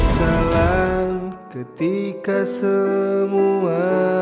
salam ketika semua